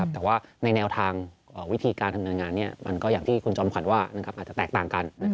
แต่ว่าในแนวทางวิธีการทำงานมันก็อย่างที่คุณจอมขวัญว่าอาจจะแตกต่างกัน